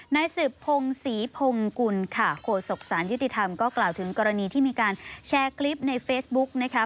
นายสืบพงศรีพงกุลค่ะโฆษกสารยุติธรรมก็กล่าวถึงกรณีที่มีการแชร์คลิปในเฟซบุ๊กนะคะ